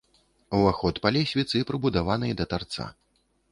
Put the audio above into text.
Уваход па лесвіцы, прыбудаванай да тарца.